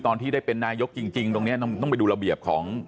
ตอนที่ได้เป็นนายกจริงตรงนี้ต้องไปดูระเบียบของ